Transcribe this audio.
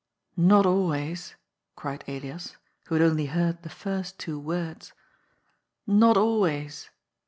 " Not always 1 " cried Elias, who had only heard the first two words. "Not always!